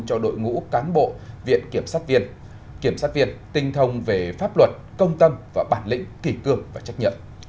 cho đội ngũ cán bộ viện kiểm sát viện kiểm sát viện tinh thông về pháp luật công tâm và bản lĩnh kỳ cường và trách nhận